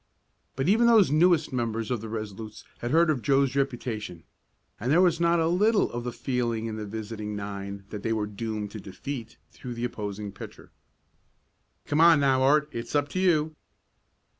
But even those newest members of the Resolutes had heard of Joe's reputation, and there was not a little of the feeling in the visiting nine that they were doomed to defeat through the opposing pitcher. "Come on now, Art, it's up to you."